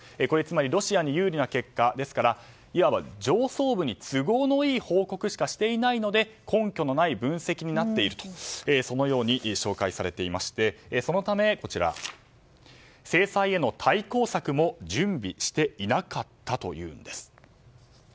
これ、つまりロシアに有利な結果いわば上層部に都合のいい報告しかしていないので根拠のない分析になっているとそのように紹介されていましてそのため制裁への対抗策も準備していなかったというんです。